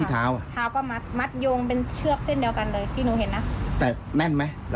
ที่เท้าอ่ะแน่นอ่ะค่ะแน่นใช่ไหม